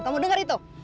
kamu denger itu